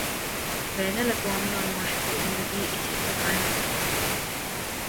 بین الاقوامی اورمعاشرتی زندگی اسی سے قائم رہتی ہے۔